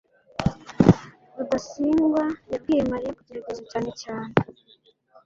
rudasingwa yabwiye mariya kugerageza cyane cyane